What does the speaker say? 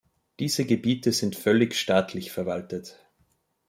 Diese Gebiete sind völlig staatlich verwaltet.